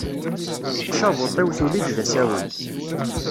Tacabuṭ-iw tulli-d d asawen.